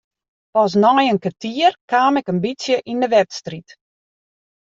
Pas nei in kertier kaam ik in bytsje yn de wedstriid.